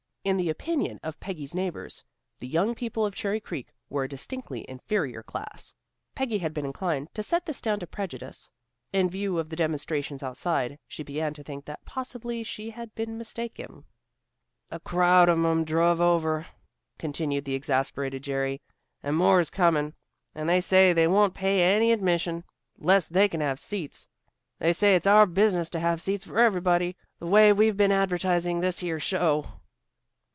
In the opinion of Peggy's neighbors, the young people of Cherry Creek were a distinctly inferior class. Peggy had been inclined to set this down to prejudice. In view of the demonstrations outside, she began to think that possibly she had been mistaken. "A crowd of 'em drove over," continued the exasperated Jerry, "and more's coming. And they say they won't pay any admission, 'less they can have seats. They say it's our business to have seats for everybody, the way we've been advertising this here show."